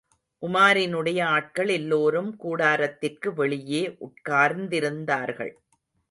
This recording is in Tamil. உமாரினுடைய ஆட்கள் எல்லோரும் கூடாரத்திற்கு வெளியே உட்கார்ந்திருந்தார்கள்.